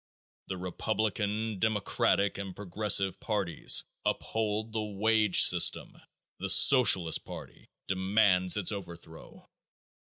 The Republican, Democratic and Progressive parties uphold the wage system; the Socialist party demands its overthrow.